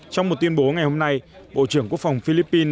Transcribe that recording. trong một tuyên bố ngày hôm nay bộ trưởng quốc phòng philippines